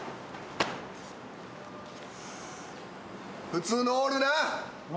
普通のオールな。